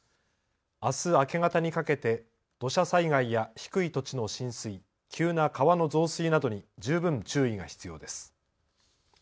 あす明け方にかけて土砂災害や低い土地の浸水、急な川の増水などに十分注意が必要です。